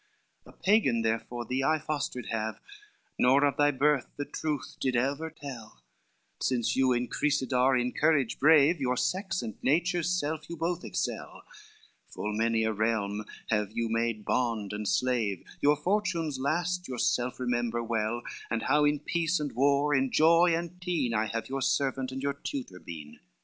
XXXVIII "A Pagan therefore thee I fostered have, Nor of thy birth the truth did ever tell, Since you increased are in courage brave, Your sex and nature's self you both excel, Full many a realm have you made bond and slave, Your fortunes last yourself remember well, And how in peace and war, in joy and teen, I have your servant, and your tutor been.